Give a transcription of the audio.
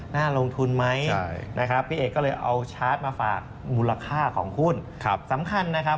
น่าลงทุนไหมนะครับพี่เอกก็เลยเอาชาร์จมาฝากมูลค่าของหุ้นสำคัญนะครับ